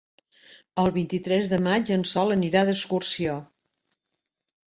El vint-i-tres de maig en Sol anirà d'excursió.